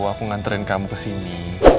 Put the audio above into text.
aku nganterin kamu kesini